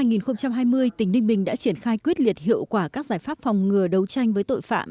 năm hai nghìn hai mươi tỉnh ninh bình đã triển khai quyết liệt hiệu quả các giải pháp phòng ngừa đấu tranh với tội phạm